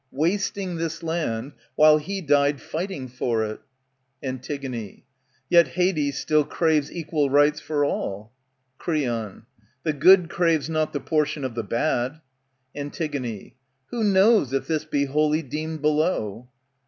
Wasting this land, while he died fighting for it. Antig, Yet Hades still craves equal rites for all. Creon, The good craves not the portion of the bad. '^^ Antig, Who knows if this be holy deemed below